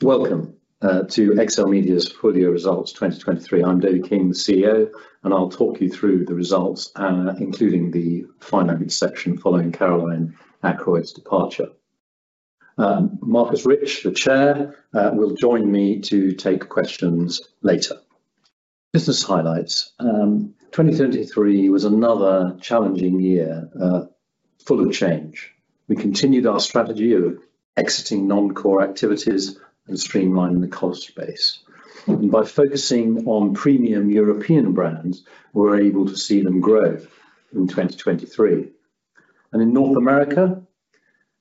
Welcome to XLMedia's full year results 2023. I'm David King, the CEO, and I'll talk you through the results, including the finance section, following Caroline Ackroyd's departure. Marcus Rich, the Chair, will join me to take questions later. Business highlights. 2023 was another challenging year, full of change. We continued our strategy of exiting non-core activities and streamlining the cost base. By focusing on premium European brands, we're able to see them grow in 2023. In North America,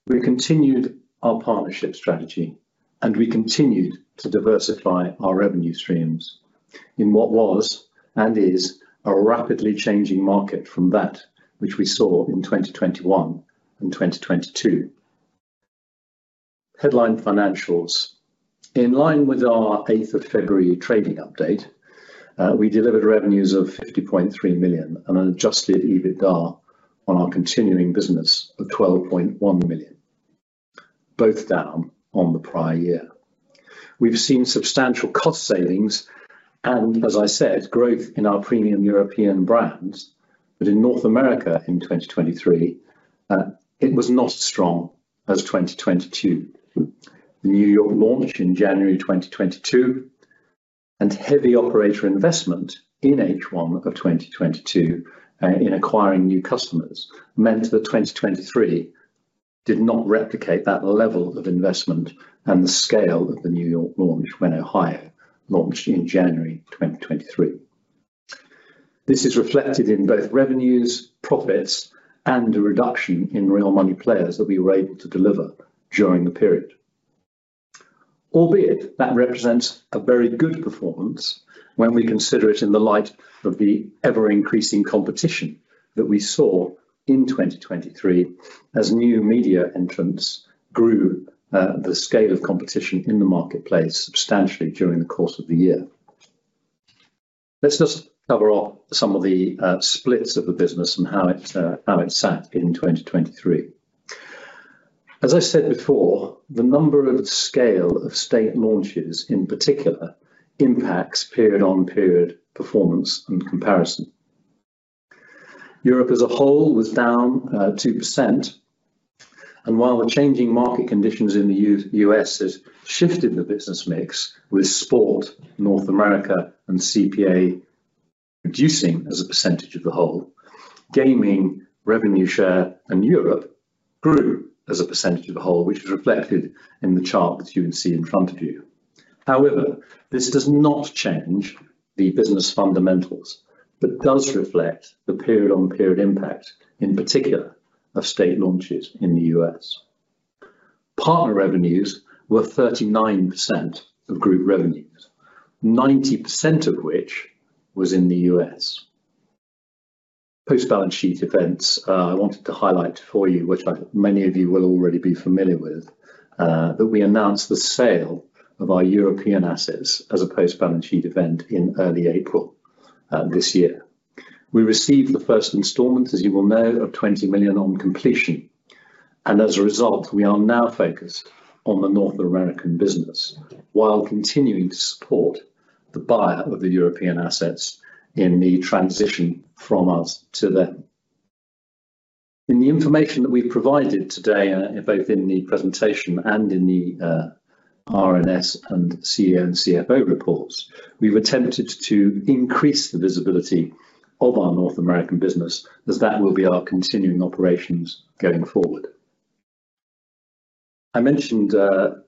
we continued our partnership strategy, and we continued to diversify our revenue streams in what was, and is, a rapidly changing market from that which we saw in 2021 and 2022. Headline financials. In line with our February 8 trading update, we delivered revenues of $50.3 million and an Adjusted EBITDA on our continuing business of $12.1 million, both down on the prior year. We've seen substantial cost savings and, as I said, growth in our premium European brands, but in North America in 2023, it was not as strong as 2022. The New York launch in January 2022 and heavy operator investment in H1 of 2022, in acquiring new customers, meant that 2023 did not replicate that level of investment and the scale of the New York launch went higher, launched in January 2023. This is reflected in both revenues, profits, and a reduction in Real Money Players that we were able to deliver during the period. Albeit, that represents a very good performance when we consider it in the light of the ever-increasing competition that we saw in 2023 as new media entrants grew the scale of competition in the marketplace substantially during the course of the year. Let's just cover off some of the splits of the business and how it sat in 2023. As I said before, the number and scale of state launches, in particular, impacts period-on-period performance and comparison. Europe as a whole was down 2%, and while the changing market conditions in the U.S. has shifted the business mix with sport, North America, and CPA reducing as a percentage of the whole, gaming revenue share in Europe grew as a percentage of the whole, which is reflected in the chart that you can see in front of you. However, this does not change the business fundamentals, but does reflect the period-on-period impact, in particular, of state launches in the U.S. Partner revenues were 39% of group revenues, 90% of which was in the U.S. Post-balance sheet events, I wanted to highlight for you, which many of you will already be familiar with, that we announced the sale of our European assets as a post-balance sheet event in early April this year. We received the first installment, as you will know, of $20 million on completion, and as a result, we are now focused on the North American business, while continuing to support the buyer of the European assets in the transition from us to them. In the information that we've provided today, both in the presentation and in the RNS and CEO and CFO reports, we've attempted to increase the visibility of our North American business, as that will be our continuing operations going forward. I mentioned the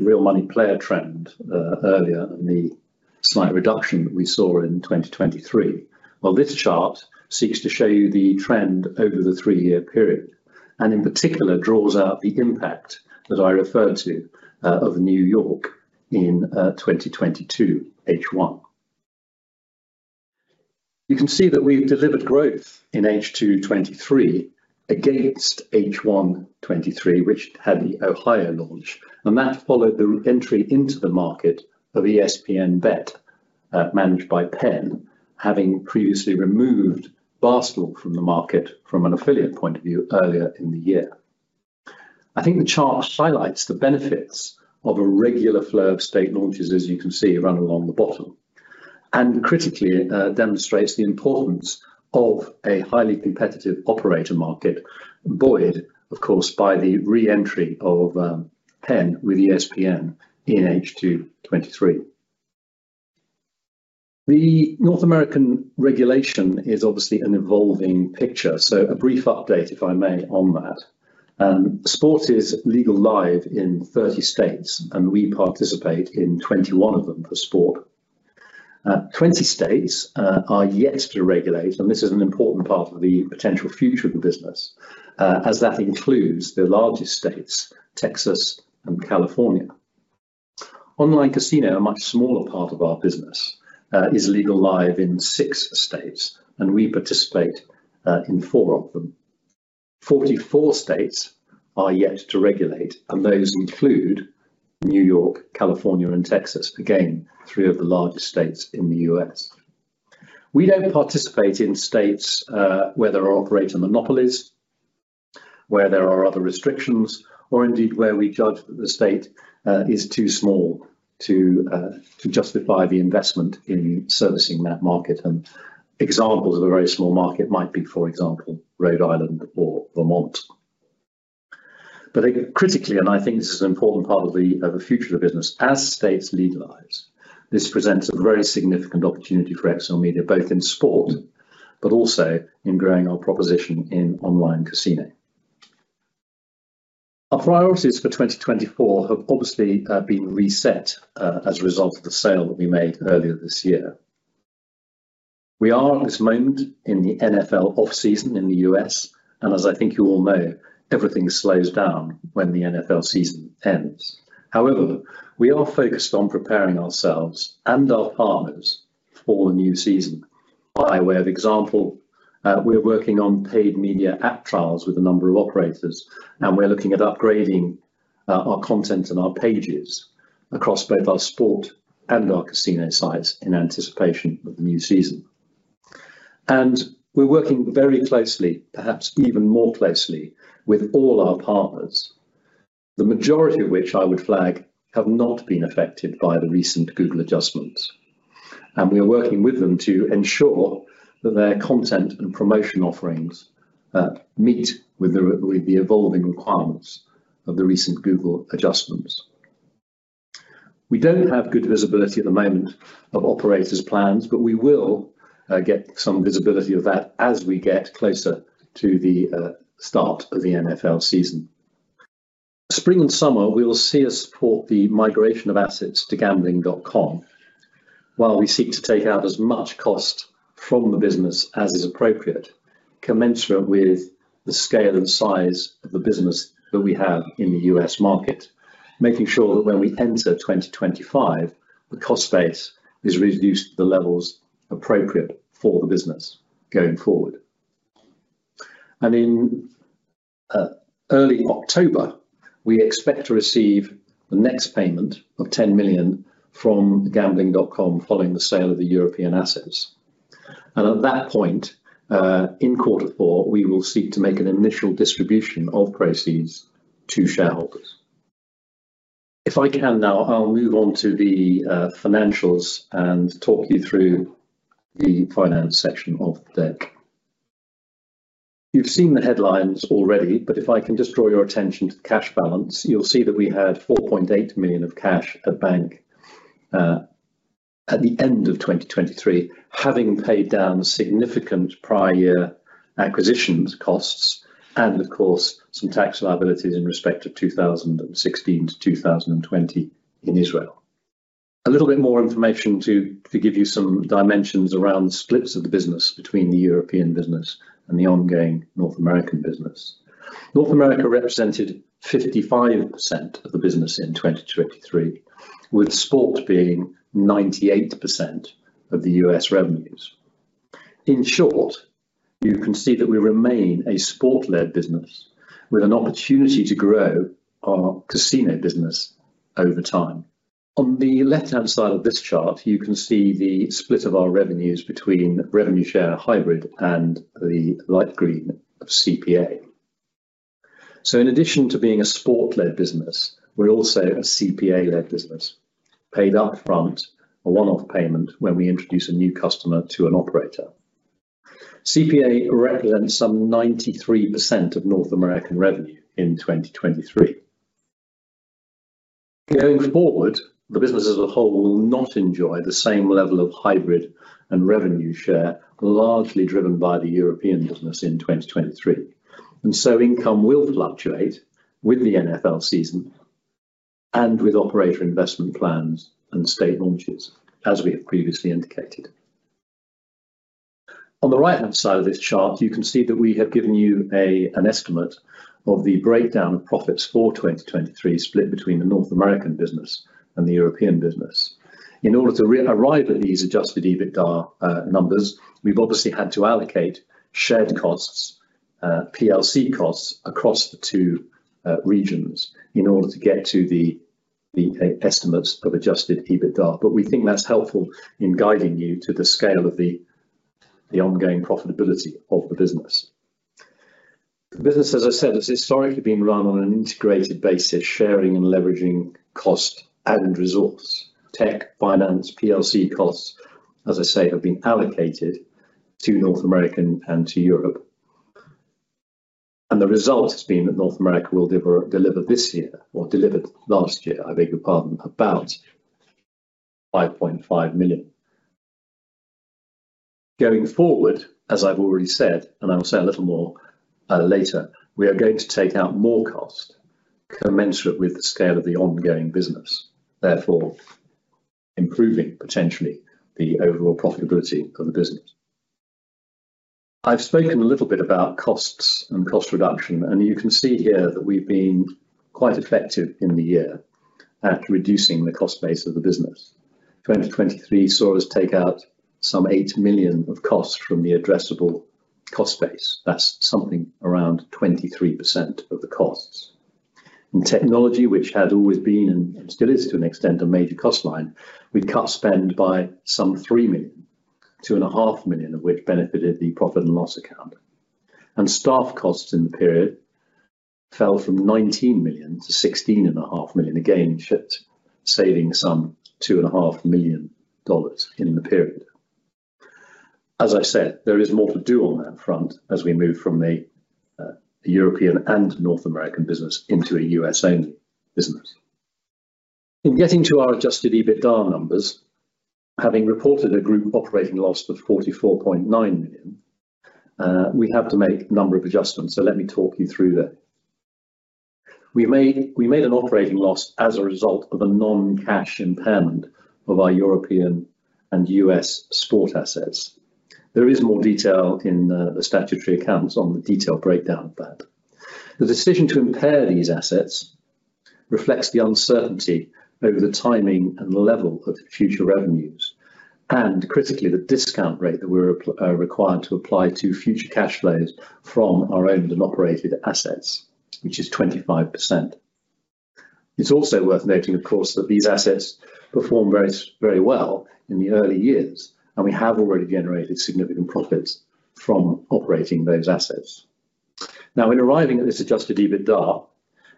real money player trend earlier and the slight reduction that we saw in 2023. Well, this chart seeks to show you the trend over the 3-year period, and in particular, draws out the impact that I referred to of New York in 2022, H1. You can see that we've delivered growth in H2 2023 against H1 2023, which had the Ohio launch, and that followed the entry into the market of ESPN BET, managed by PENN, having previously removed Barstool from the market from an affiliate point of view earlier in the year. I think the chart highlights the benefits of a regular flow of state launches, as you can see, right along the bottom, and critically, demonstrates the importance of a highly competitive operator market, buoyed, of course, by the re-entry of, Penn with ESPN in H2 2023. The North American regulation is obviously an evolving picture, so a brief update, if I may, on that. Sport is legal live in 30 states, and we participate in 21 of them for sport. 20 states are yet to regulate, and this is an important part of the potential future of the business, as that includes the largest states, Texas and California. Online casino, a much smaller part of our business, is legal live in 6 states, and we participate in four of them. 44 states are yet to regulate, and those include New York, California, and Texas. Again, three of the largest states in the U.S. We don't participate in states, where there are operator monopolies, where there are other restrictions, or indeed, where we judge that the state, is too small to, to justify the investment in servicing that market. And examples of a very small market might be, for example, Rhode Island or Vermont. But critically, and I think this is an important part of the, of the future of the business, as states legalize, this presents a very significant opportunity for XLMedia, both in sport, but also in growing our proposition in online casino. Our priorities for 2024 have obviously, been reset, as a result of the sale that we made earlier this year. We are at this moment in the NFL off-season in the U.S., and as I think you all know, everything slows down when the NFL season ends. However, we are focused on preparing ourselves and our partners for the new season. By way of example, we're working on paid media app trials with a number of operators, and we're looking at upgrading our content and our pages across both our sport and our casino sites in anticipation of the new season. We're working very closely, perhaps even more closely, with all our partners, the majority of which I would flag, have not been affected by the recent Google adjustments. We are working with them to ensure that their content and promotion offerings meet with the evolving requirements of the recent Google adjustments. We don't have good visibility at the moment of operators' plans, but we will get some visibility of that as we get closer to the start of the NFL season. Spring and summer, we will see us support the migration of assets to Gambling.com, while we seek to take out as much cost from the business as is appropriate, commensurate with the scale and size of the business that we have in the U.S. market, making sure that when we enter 2025, the cost base is reduced to the levels appropriate for the business going forward. In early October, we expect to receive the next payment of $10 million from Gambling.com, following the sale of the European assets. At that point in quarter four, we will seek to make an initial distribution of proceeds to shareholders. If I can now, I'll move on to the financials and talk you through the finance section of the deck. You've seen the headlines already, but if I can just draw your attention to the cash balance, you'll see that we had $4.8 million of cash at bank at the end of 2023, having paid down significant prior year acquisitions costs, and of course, some tax liabilities in respect of 2016-2020 in Israel. A little bit more information to give you some dimensions around the splits of the business between the European business and the ongoing North American business. North America represented 55% of the business in 2023, with sport being 98% of the US revenues. In short, you can see that we remain a sport-led business with an opportunity to grow our casino business over time. On the left-hand side of this chart, you can see the split of our revenues between revenue share, hybrid, and the light green of CPA. So in addition to being a sport-led business, we're also a CPA-led business, paid upfront, a one-off payment when we introduce a new customer to an operator. CPA represents some 93% of North American revenue in 2023. Going forward, the business as a whole will not enjoy the same level of hybrid and revenue share, largely driven by the European business in 2023. And so income will fluctuate with the NFL season and with operator investment plans and state launches, as we have previously indicated. On the right-hand side of this chart, you can see that we have given you an estimate of the breakdown of profits for 2023, split between the North American business and the European business. In order to arrive at these Adjusted EBITDA numbers, we've obviously had to allocate shared costs, PLC costs, across the two regions in order to get to the estimates of Adjusted EBITDA. But we think that's helpful in guiding you to the scale of the ongoing profitability of the business. The business, as I said, has historically been run on an integrated basis, sharing and leveraging cost and resource. Tech, finance, PLC costs, as I say, have been allocated to North American and to Europe. The result has been that North America will deliver this year or delivered last year, I beg your pardon, about $5.5 million. Going forward, as I've already said, and I will say a little more later, we are going to take out more cost commensurate with the scale of the ongoing business, therefore, improving potentially the overall profitability of the business. I've spoken a little bit about costs and cost reduction, and you can see here that we've been quite effective in the year at reducing the cost base of the business. 2023 saw us take out some $8 million of costs from the addressable cost base. That's something around 23% of the costs. In technology, which had always been, and still is to an extent, a major cost line, we'd cut spend by some $3 million, $2.5 million of which benefited the profit and loss account. Staff costs in the period fell from $19 million to $16.5 million, again, shift, saving some $2.5 million in the period. As I said, there is more to do on that front as we move from a European and North American business into a US-only business. In getting to our Adjusted EBITDA numbers, having reported a group operating loss of $44.9 million, we have to make a number of adjustments, so let me talk you through that. We made an operating loss as a result of a non-cash impairment of our European and US sports assets. There is more detail in the statutory accounts on the detail breakdown of that. The decision to impair these assets reflects the uncertainty over the timing and the level of future revenues, and critically, the discount rate that we're applying required to apply to future cash flows from our owned and operated assets, which is 25%. It's also worth noting, of course, that these assets performed very, very well in the early years, and we have already generated significant profits from operating those assets. Now, in arriving at this Adjusted EBITDA,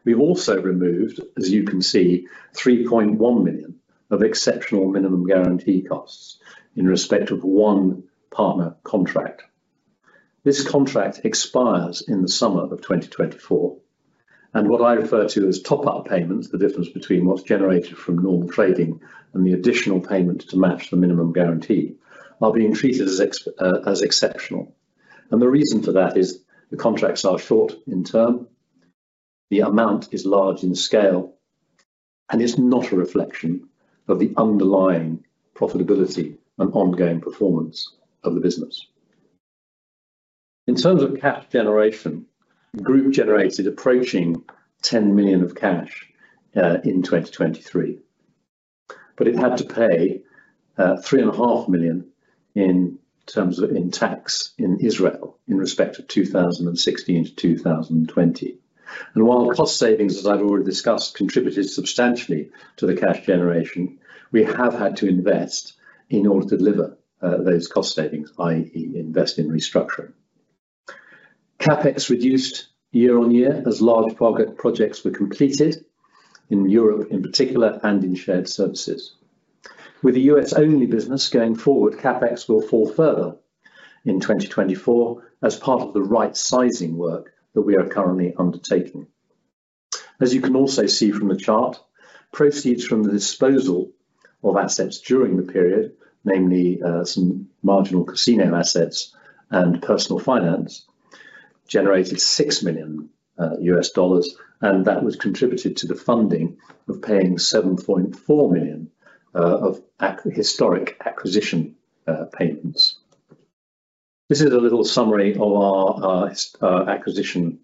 we've also removed, as you can see, $3.1 million of exceptional minimum guarantee costs in respect of one partner contract. This contract expires in the summer of 2024, and what I refer to as top-up payments, the difference between what's generated from normal trading and the additional payment to match the minimum guarantee, are being treated as exceptional. The reason for that is the contracts are short in term, the amount is large in scale, and it's not a reflection of the underlying profitability and ongoing performance of the business. In terms of cash generation, the group generated approaching $10 million of cash in 2023, but it had to pay $3.5 million in terms of tax in Israel in respect of 2016 to 2020. While cost savings, as I've already discussed, contributed substantially to the cash generation, we have had to invest in order to deliver those cost savings, i.e., invest in restructuring. CapEx reduced year-on-year as large projects were completed in Europe in particular, and in shared services. With the US-only business going forward, CapEx will fall further in 2024 as part of the right-sizing work that we are currently undertaking. As you can also see from the chart, proceeds from the disposal of assets during the period, namely, some marginal casino assets and personal finance, generated $6 million, and that was contributed to the funding of paying $7.4 million of historic acquisition payments. This is a little summary of our historic acquisition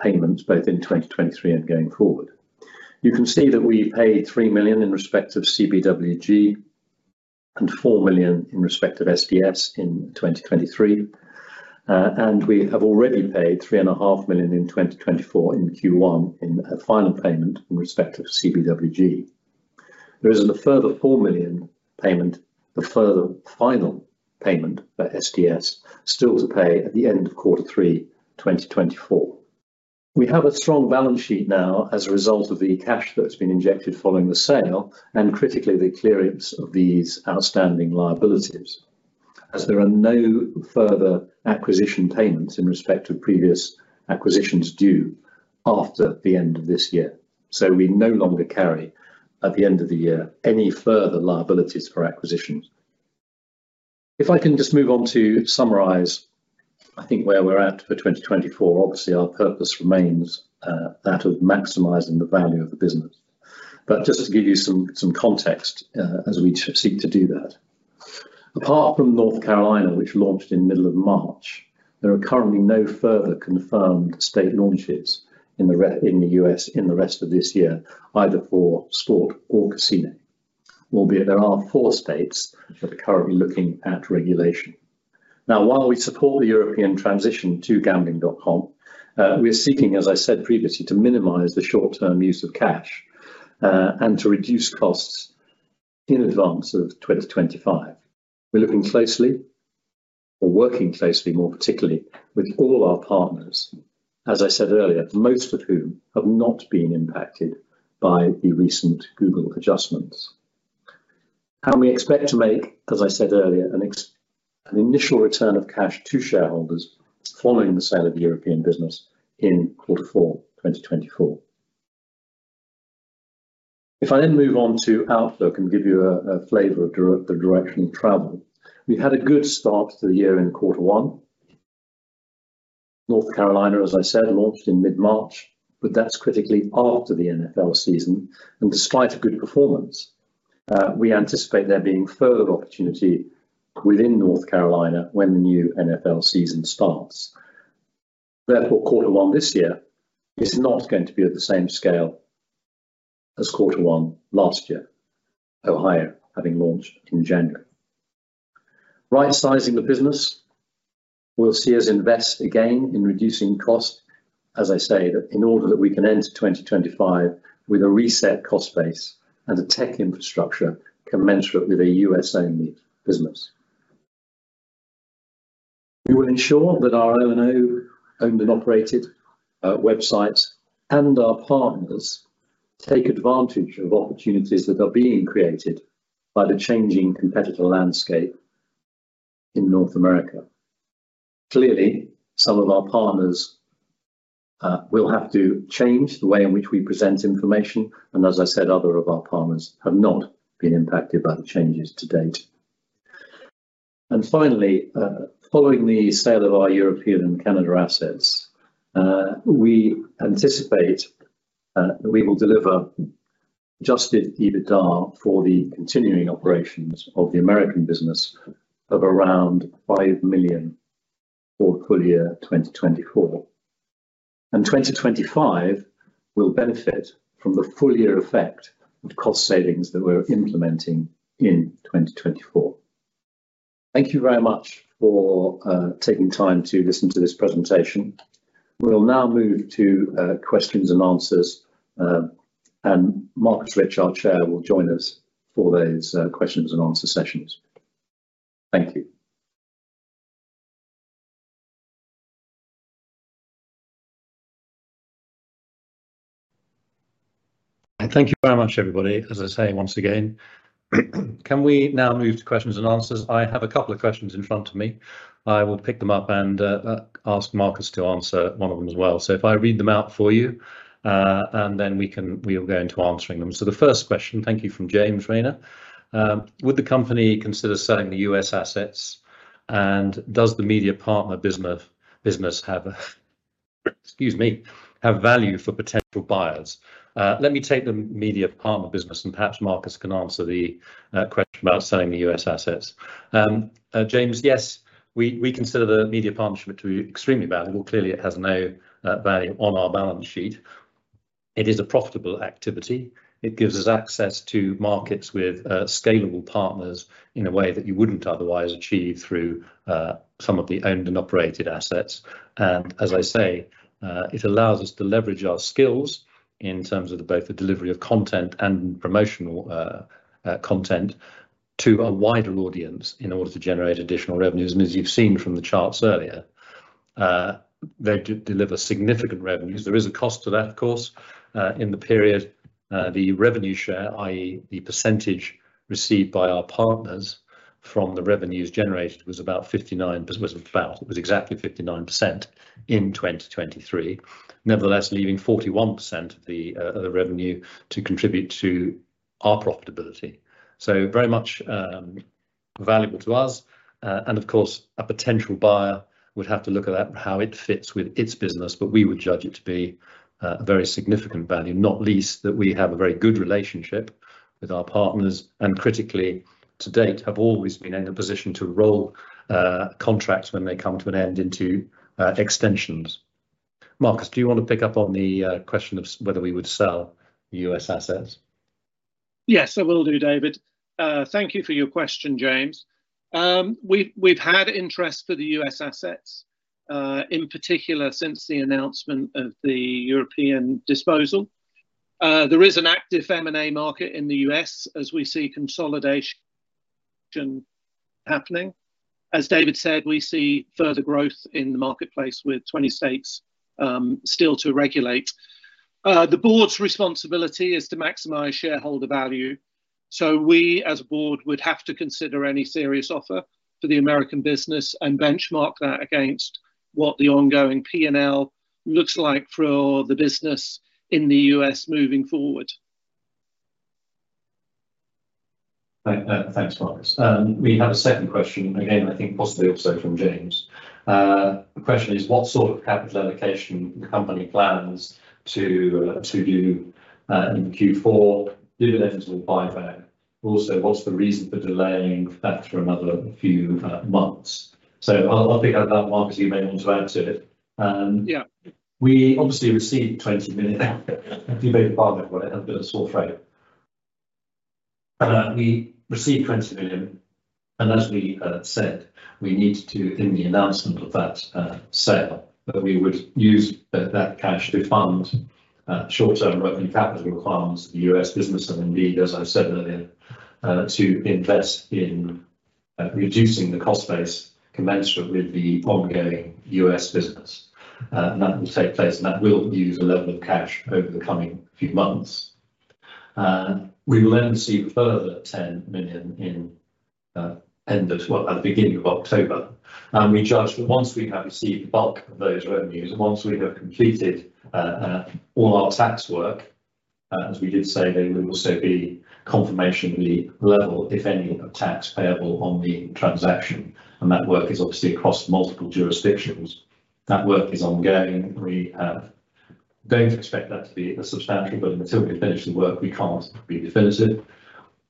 payments, both in 2023 and going forward. You can see that we paid $3 million in respect of CBWG and $4 million in respect of SDS in 2023. And we have already paid $3.5 million in 2024 in Q1 in a final payment in respect of CBWG. There is a further $4 million payment, a further final payment for SDS, still to pay at the end of Q3 2024. We have a strong balance sheet now as a result of the cash that's been injected following the sale, and critically, the clearance of these outstanding liabilities, as there are no further acquisition payments in respect of previous acquisitions due after the end of this year. So we no longer carry, at the end of the year, any further liabilities for acquisitions. If I can just move on to summarize, I think where we're at for 2024, obviously, our purpose remains, that of maximizing the value of the business. But just to give you some context, as we seek to do that. Apart from North Carolina, which launched in the middle of March, there are currently no further confirmed state launches in the U.S. in the rest of this year, either for sport or casino, albeit there are four states that are currently looking at regulation. Now, while we support the European transition to Gambling.com, we are seeking, as I said previously, to minimize the short-term use of cash, and to reduce costs in advance of 2025. We're looking closely or working closely, more particularly, with all our partners, as I said earlier, most of whom have not been impacted by the recent Google adjustments. And we expect to make, as I said earlier, an initial return of cash to shareholders following the sale of the European business in quarter four 2024. If I then move on to outlook and give you a flavor of the direction of travel, we've had a good start to the year in quarter one. North Carolina, as I said, launched in mid-March, but that's critically after the NFL season, and despite a good performance, we anticipate there being further opportunity within North Carolina when the new NFL season starts. Therefore, quarter one this year is not going to be at the same scale as quarter one last year, Ohio having launched in January.... Right-sizing the business will see us invest again in reducing cost, as I say, that in order that we can end 2025 with a reset cost base and a tech infrastructure commensurate with a US-only business. We will ensure that our O&O, owned and operated, websites and our partners take advantage of opportunities that are being created by the changing competitive landscape in North America. Clearly, some of our partners, will have to change the way in which we present information, and as I said, other of our partners have not been impacted by the changes to date. And finally, following the sale of our European and Canada assets, we anticipate, that we will deliver adjusted EBITDA for the continuing operations of the American business of around $5 million for full year 2024. 2025 will benefit from the full year effect of cost savings that we're implementing in 2024. Thank you very much for taking time to listen to this presentation. We'll now move to questions and answers. Marcus Rich, our Chair, will join us for those questions and answer sessions. Thank you. Thank you very much, everybody. As I say, once again, can we now move to questions and answers? I have a couple of questions in front of me. I will pick them up and ask Marcus to answer one of them as well. So if I read them out for you, and then we'll go into answering them. So the first question, thank you, from James Rayner. Would the company consider selling the U.S. assets, and does the media partner business have value for potential buyers? Let me take the media partner business, and perhaps Marcus can answer the question about selling the U.S. assets. James, yes, we consider the media partnership to be extremely valuable. Clearly, it has no value on our balance sheet. It is a profitable activity. It gives us access to markets with scalable partners in a way that you wouldn't otherwise achieve through some of the owned and operated assets. As I say, it allows us to leverage our skills in terms of both the delivery of content and promotional content to a wider audience in order to generate additional revenues. And as you've seen from the charts earlier, they do deliver significant revenues. There is a cost to that, of course. In the period, the revenue share, i.e., the percentage received by our partners from the revenues generated, was about 59% wasn't about, it was exactly 59% in 2023. Nevertheless, leaving 41% of the, the revenue to contribute to our profitability. So very much, valuable to us, and of course, a potential buyer would have to look at that, how it fits with its business, but we would judge it to be, a very significant value, not least, that we have a very good relationship with our partners, and critically, to date, have always been in a position to roll, contracts when they come to an end, into, extensions. Marcus, do you want to pick up on the, question of whether we would sell U.S. assets? Yes, I will do, David. Thank you for your question, James. We've, we've had interest for the U.S. assets, in particular, since the announcement of the European disposal. There is an active M&A market in the U.S. as we see consolidation happening. As David said, we see further growth in the marketplace, with 20 states still to regulate. The board's responsibility is to maximize shareholder value, so we, as a board, would have to consider any serious offer for the American business and benchmark that against what the ongoing P&L looks like for the business in the U.S. moving forward. Thanks, Marcus. We have a second question. Again, I think possibly also from James. The question is: What sort of capital allocation the company plans to do in Q4, dividends or buyback? Also, what's the reason for delaying that for another few months? So I'll pick up that one, Marcus, you may want to add to it. Yeah. We obviously received $20 million. You may pardon it, but it had a bit of a small frame. We received $20 million, and as we said, we needed to, in the announcement of that sale, that we would use that cash to fund short-term working capital requirements, the US business, and indeed, as I said earlier, to invest in reducing the cost base commensurate with the ongoing US business. That will take place, and that will use a level of cash over the coming few months. We will then receive a further $10 million in end of well, at the beginning of October. We judge that once we have received the bulk of those revenues, and once we have completed all our tax work, as we did say, there will also be confirmationally level, if any, of tax payable on the transaction. That work is obviously across multiple jurisdictions. That work is ongoing. We don't expect that to be insubstantial, but until we finish the work, we can't be definitive.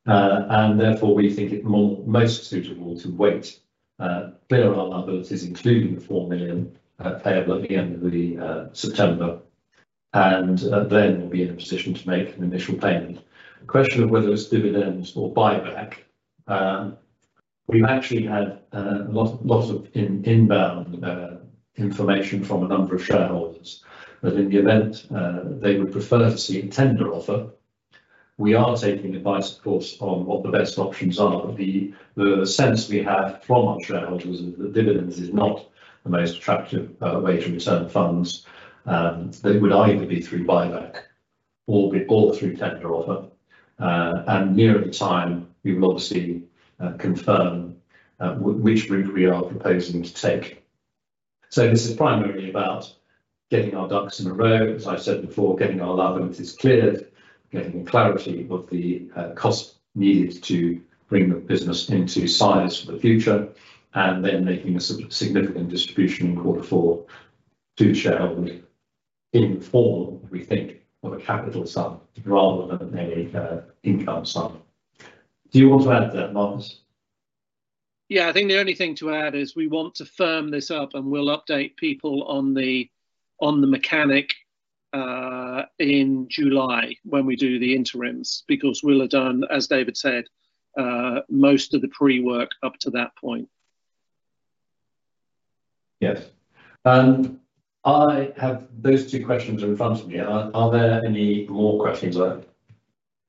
And therefore, we think it most suitable to wait clear on our liabilities, including the $4 million payable at the end of September, and then we'll be in a position to make an initial payment. The question of whether it's dividends or buyback, we've actually had lots of inbound information from a number of shareholders. But in the event, they would prefer to see a tender offer. We are taking advice, of course, on what the best options are. The, the sense we have from our shareholders is that dividends is not the most attractive way to return funds. They would either be through buyback or through tender offer. And nearer the time, we will obviously confirm which route we are proposing to take. So this is primarily about getting our ducks in a row, as I said before, getting our liabilities cleared, getting the clarity of the costs needed to bring the business into size for the future, and then making a significant distribution in quarter four to shareholders in the form, we think, of a capital sum, rather than a income sum. Do you want to add to that, Marcus? Yeah, I think the only thing to add is we want to firm this up, and we'll update people on the mechanic in July, when we do the interims, because we'll have done, as David said, most of the pre-work up to that point. Yes. I have those two questions in front of me. Are there any more questions?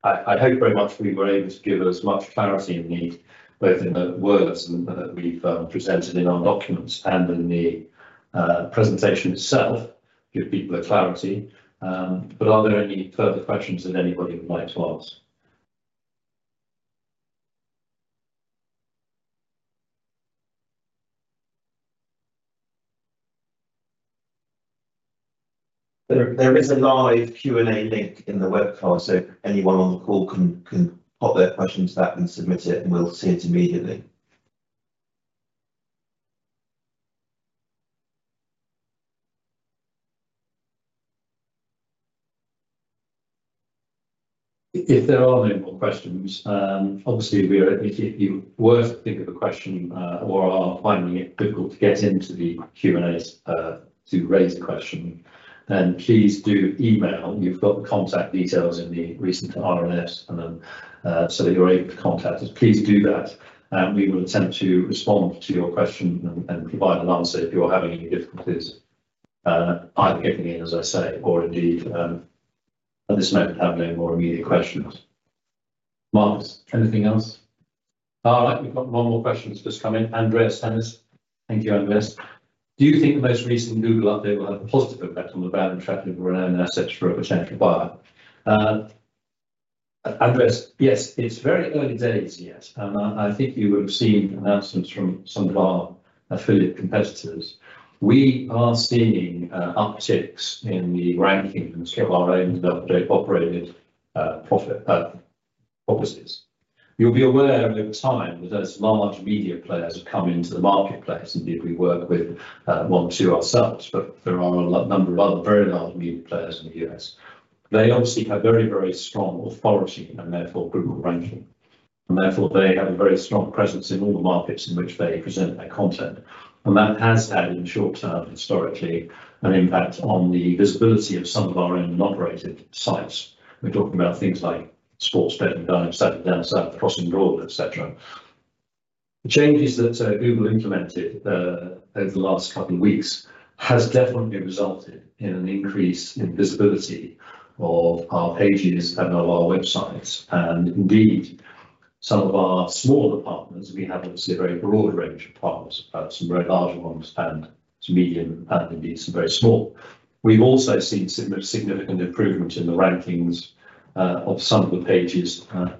I hope very much we were able to give as much clarity as we need, both in the words and that we've presented in our documents and in the presentation itself, give people a clarity. But are there any further questions that anybody would like to ask? There is a live Q&A link in the webcast, so anyone on the call can pop their question into that and submit it, and we'll see it immediately. If there are no more questions, obviously, we are—if you were to think of a question, or are finding it difficult to get into the Q&A, to raise the question, then please do email. You've got the contact details in the recent RNS, and then, so that you're able to contact us. Please do that, and we will attempt to respond to your question and, and provide an answer if you are having any difficulties, either getting in, as I say, or indeed, at this moment, have no more immediate questions. Marcus, anything else? We've got one more question that's just come in. Andreas Dennis. Thank you, Andreas. Do you think the most recent Google update will have a positive effect on the brand and traffic of your own assets for a potential buyer? Andreas, yes, it's very early days yet, and I, I think you will have seen announcements from some of our affiliate competitors. We are seeing, upticks in the rankings of our owned operated, profit, properties. You'll be aware over time that as large media players have come into the marketplace, indeed, we work with one or two ourselves, but there are a large number of other very large media players in the U.S. They obviously have very, very strong authority and therefore Google ranking, and therefore, they have a very strong presence in all the markets in which they present their content. And that has had, in the short term, historically, an impact on the visibility of some of our own operated sites. We're talking about things like Sports Betting Dime, Saturday Down South, Crossing Broad, et cetera. The changes that Google implemented over the last couple of weeks has definitely resulted in an increase in visibility of our pages and of our websites. And indeed, some of our smaller partners, we have obviously a very broad range of partners, some very large ones and some medium, and indeed, some very small. We've also seen significant improvement in the rankings of some of the pages of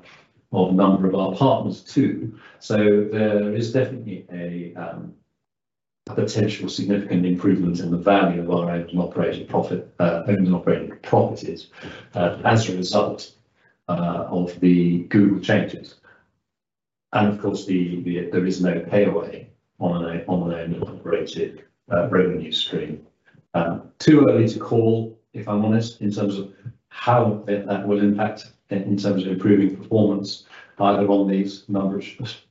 a number of our partners, too. So there is definitely a potential significant improvement in the value of our own operated profit, owned and operated properties, as a result of the Google changes. And of course, there is no payaway on an operated revenue stream. Too early to call, if I'm honest, in terms of how that will impact in terms of improving performance, either on these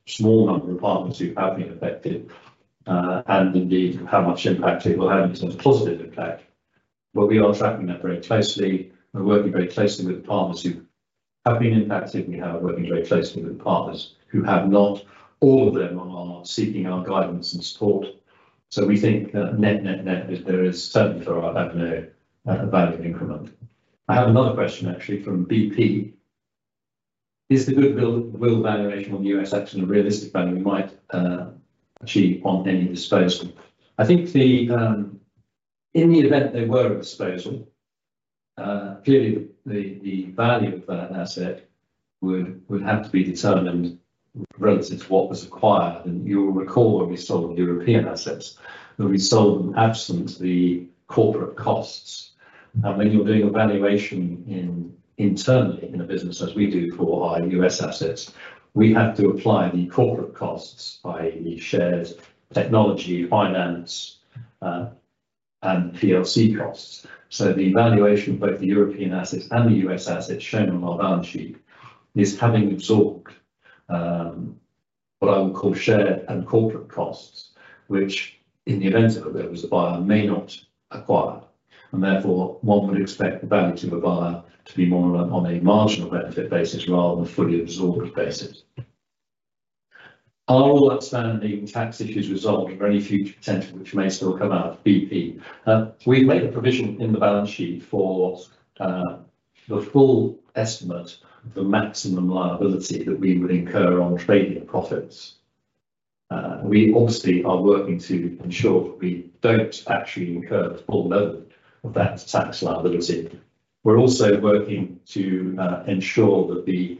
small number of partners who have been affected, and indeed, how much impact it will have in terms of positive impact. But we are tracking that very closely. We're working very closely with the partners who have been impacted, and we are working very closely with partners who have not. All of them are seeking our guidance and support, so we think that net, net, net, there is certainly for our avenue, a value increment. I have another question, actually, from BP. Is the goodwill valuation on the US acquisition a realistic value we might achieve on any disposal? I think, in the event there were a disposal, clearly, the value of that asset would have to be determined relative to what was acquired. And you'll recall when we sold the European assets, that we sold them absent the corporate costs. And when you're doing a valuation in internally in a business, as we do for our U.S. assets, we have to apply the corporate costs, by the shares, technology, finance, and PLC costs. So the valuation of both the European assets and the U.S. assets shown on our balance sheet is having absorbed, what I would call shared and corporate costs, which in the event of it, there was a buyer may not acquire, and therefore one would expect the value to the buyer to be more on a marginal benefit basis rather than a fully absorbed basis. Are all outstanding tax issues resolved or any future potential which may still come out of BP? We've made a provision in the balance sheet for the full estimate of the maximum liability that we would incur on trading profits. We obviously are working to ensure that we don't actually incur the full level of that tax liability. We're also working to ensure that the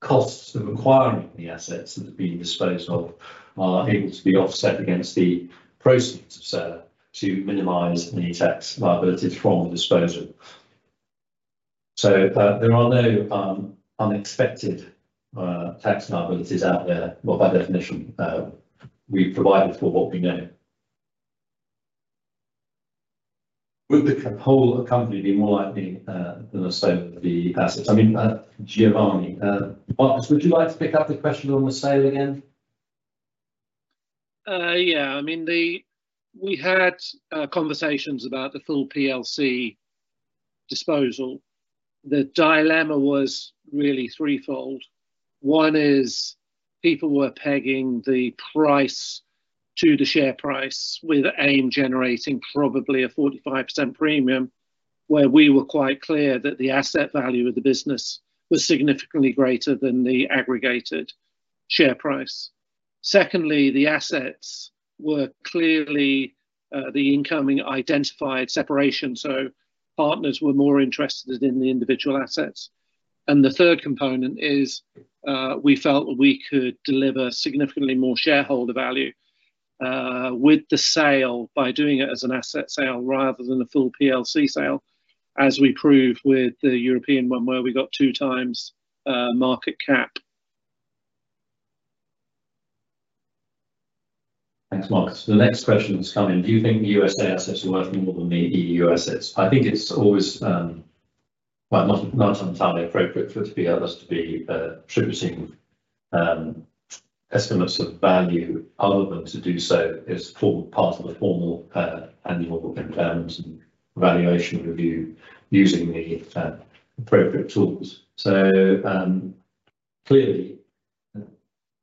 costs of acquiring the assets that are being disposed of are able to be offset against the proceeds of sale to minimize any tax liabilities from the disposal. So, there are no unexpected tax liabilities out there. Well, by definition, we've provided for what we know. Would the whole company be more likely than the sale of the assets? I mean, Giovanni, Marcus, would you like to pick up the question on the sale again? Yeah. I mean, we had conversations about the full PLC disposal. The dilemma was really threefold. One is people were pegging the price to the share price, with the aim generating probably a 45% premium, where we were quite clear that the asset value of the business was significantly greater than the aggregated share price. Secondly, the assets were clearly the incoming identified separation, so partners were more interested in the individual assets. And the third component is, we felt that we could deliver significantly more shareholder value with the sale by doing it as an asset sale rather than a full PLC sale, as we proved with the European one, where we got 2x market cap. Thanks, Marcus. The next question has come in: Do you think the USA assets are worth more than the EU assets? I think it's always, well, not entirely appropriate for others to be attributing estimates of value, other than to do so is form part of the formal annual terms and valuation review using the appropriate tools. So, clearly,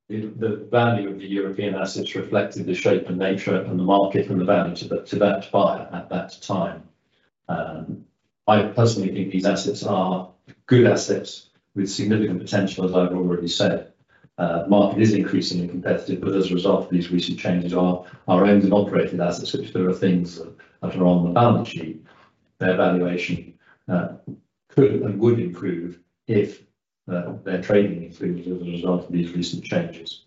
the value of the European assets reflected the shape and nature and the market and the value to that buyer at that time. I personally think these assets are good assets with significant potential, as I've already said. Market is increasingly competitive, but as a result of these recent changes, our owned and operated assets, which there are things that are on the balance sheet, their valuation could and would improve if their trading improved as a result of these recent changes.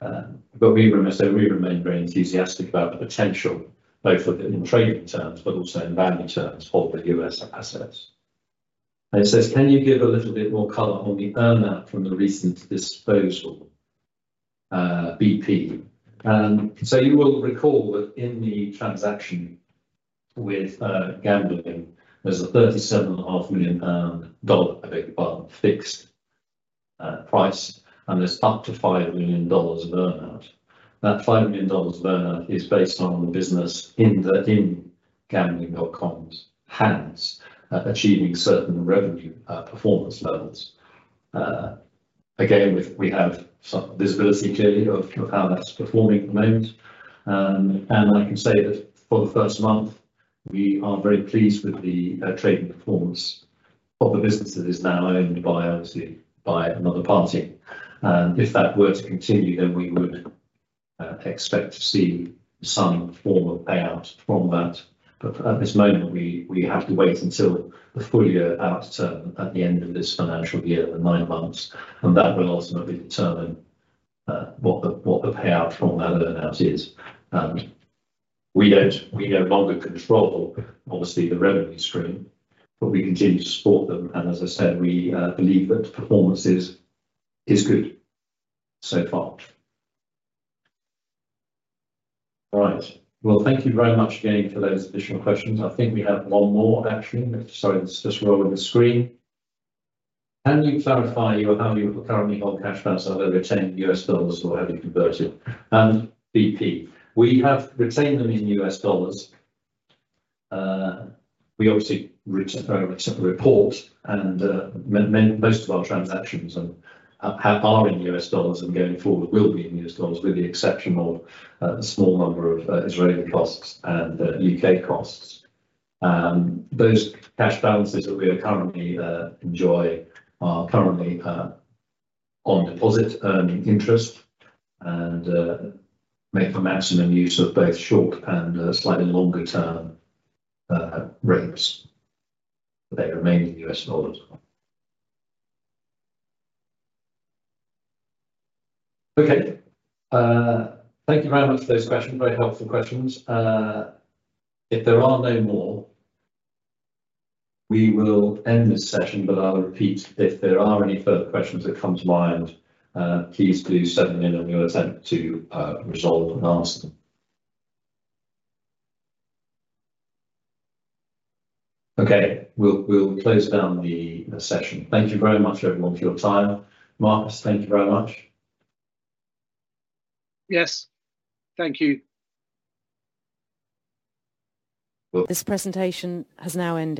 But we remain very enthusiastic about the potential, both for the in trading terms, but also in value terms for the US assets. It says: Can you give a little bit more color on the earnout from the recent disposal, BP? So you will recall that in the transaction with Gambling, there's a $37.5 million fixed price, and there's up to $5 million of earnout. That $5 million of earnout is based on the business in the, in Gambling.com's hands, achieving certain revenue, performance levels. Again, we, we have some visibility, clearly, of, of how that's performing at the moment. And I can say that for the first month, we are very pleased with the, trading performance of the business that is now owned by, obviously, by another party. And if that were to continue, then we would, expect to see some form of payout from that. But at this moment, we, we have to wait until the full year outturn at the end of this financial year, the nine months, and that will ultimately determine, what the, what the payout from that earnout is. We don't, we no longer control, obviously, the revenue stream, but we continue to support them, and as I said, we believe that performance is good so far. All right. Well, thank you very much again for those additional questions. I think we have one more, actually. Sorry, let's just roll with the screen. Can you clarify how you currently hold cash flows are retained in U.S. dollars or have you converted? BP. We have retained them in US dollars. We obviously accept the report, and I mean, most of our transactions are in US dollars, and going forward will be in U.S dollars, with the exception of a small number of Israeli costs and U.K. costs. Those cash balances that we currently enjoy are currently on deposit, earning interest, and make the maximum use of both short and slightly longer-term rates. They remain in U.S. dollars. Okay. Thank you very much for those questions. Very helpful questions. If there are no more, we will end this session, but I'll repeat, if there are any further questions that come to mind, please do send them in and we'll attempt to resolve and answer them. Okay, we'll close down the session. Thank you very much, everyone, for your time. Marcus, thank you very much. Yes. Thank you. This presentation has now ended.